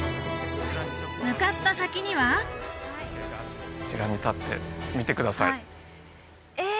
向かった先にはこちらに立って見てくださいえ